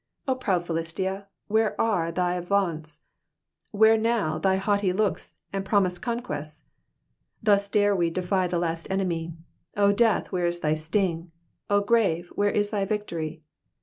O proud Philistia, where are thy vaunts ? Where now thy haughty looks, and promised conquests ? Thus dare we defy the last enemy, O death, where is thy sting ? O grave, where is thy victory